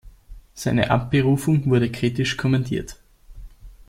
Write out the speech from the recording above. Seine Abberufung wurde kritisch kommentiert.